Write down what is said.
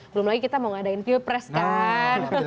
belum lagi kita mau ngadain pilpres kan